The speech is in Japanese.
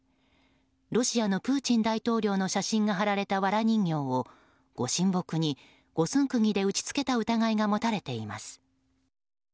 ロシアのプーチン大統領の写真が貼られた、わら人形をご神木に五寸釘で打ち付けた疑いが持たれています。